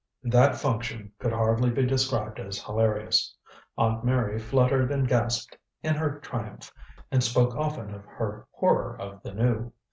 That function could hardly be described as hilarious. Aunt Mary fluttered and gasped in her triumph, and spoke often of her horror of the new.